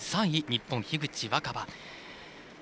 ３位、日本の樋口新葉。